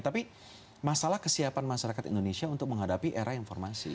tapi masalah kesiapan masyarakat indonesia untuk menghadapi era informasi